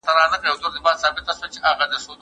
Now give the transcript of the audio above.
محصن زاني ته د هغوی د عمل سزا ورکول کیږي.